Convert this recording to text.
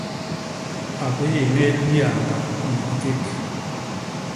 A biéñél nyaañga ni bikék.